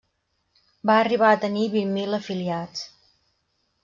Va arribar a tenir vint mil afiliats.